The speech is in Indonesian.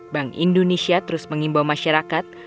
bank indonesia terus mengimbau masyarakat